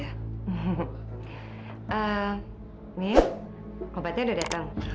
eh niel kompatnya udah datang